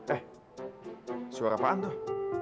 eh suara apaan tuh